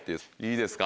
いいですか？